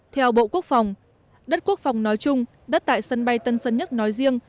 theo bộ quốc phòng đất quốc phòng nói chung đất tại sân bay tân sơn nhất nói riêng